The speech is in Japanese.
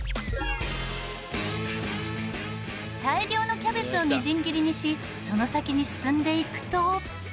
大量のキャベツをみじん切りにしその先に進んでいくと。